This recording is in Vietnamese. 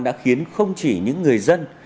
đã khiến không chỉ những người dân